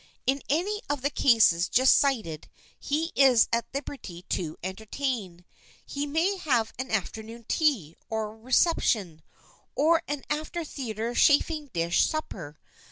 [Sidenote: THE BACHELOR'S TEA] In any of the cases just cited he is at liberty to entertain. He may have an afternoon tea, or a reception, or an after theater chafing dish supper.